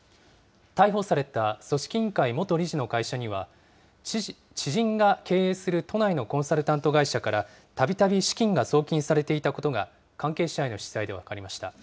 逮捕された組織委員会元理事の会社には、知人が経営する都内のコンサルタント会社からたびたび資金が送金されていたことが、関係者への取材で分かりました。